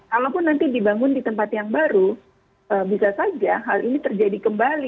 kalaupun nanti dibangun di tempat yang baru bisa saja hal ini terjadi kembali